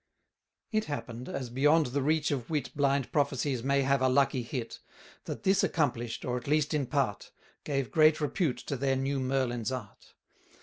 It happen'd, as beyond the reach of wit Blind prophecies may have a lucky hit, That this accomplish'd, or at least in part, Gave great repute to their new Merlin's art.